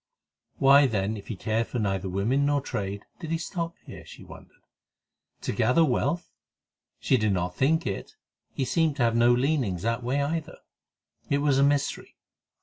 Why, then, if he cared for neither women nor trade, did he stop here? she wondered. To gather wealth? She did not think it; he seemed to have no leanings that way either. It was a mystery.